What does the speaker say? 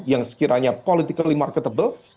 yang sekiranya politiknya marketable